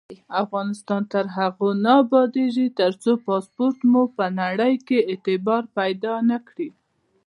افغانستان تر هغو نه ابادیږي، ترڅو پاسپورت مو په نړۍ کې اعتبار پیدا نکړي.